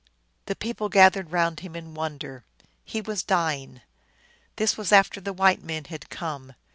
The people gathered round him in wonder. He was dying. This was after the white men had come.